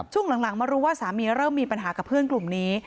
ช่วงหลังมารู้ว่าสามีเริ่มมีปัญหากับเพื่อนกลุ่มนี้